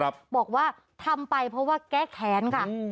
บอกว่าทำไปเพราะว่าแก้แค้นค่ะ